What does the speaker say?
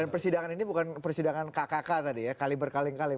dan persidangan ini bukan persidangan kkk tadi ya kali berkaleng kaleng